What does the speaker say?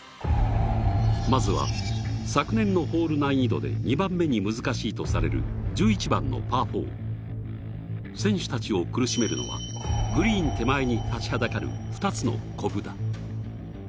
まずは昨年のホール難易度で２番目に難しいとされる１１番のパー４選手たちを苦しめるのはグリーン手前に立ちはだかる２つのこぶだ。